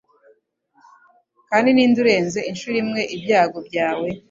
kandi ninde urenze inshuro imwe ibyago byawe